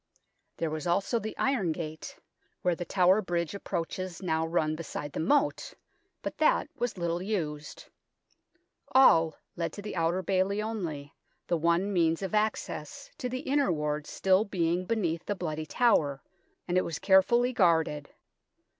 There was also the Iron Gate, where the Tower Bridge approaches now run beside the moat, but that was little used. All led to the Outer Bailey only, the one means 1 of access to the Inner Ward still being beneath the Bloody Tower, and it was care fully guarded.